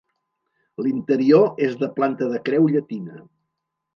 L'interior és de planta de creu llatina.